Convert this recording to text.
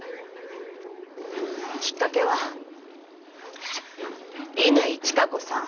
きっかけは乾チカ子さん。